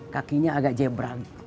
kakinya agak jebral